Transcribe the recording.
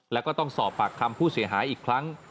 แล้วก็ต้องสอบปากคำผู้เสียหายอีกครั้ง